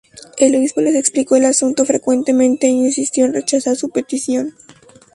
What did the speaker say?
El obispo les explicó el asunto frecuentemente e insistió en rechazar su petición.